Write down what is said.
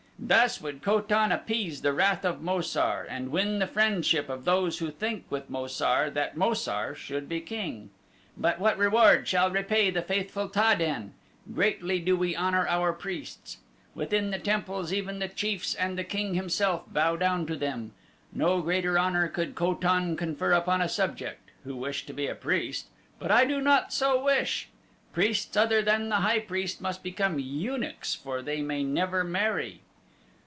Thus would Ko tan appease the wrath of Mo sar and win the friendship of those who think with Mo sar that Mo sar should be king. "But what reward shall repay the faithful Ta den? Greatly do we honor our priests. Within the temples even the chiefs and the king himself bow down to them. No greater honor could Ko tan confer upon a subject who wished to be a priest, but I did not so wish. Priests other than the high priest must become eunuchs for they may never marry.